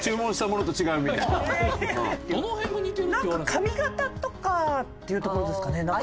髪形とかっていうところですかねなんか。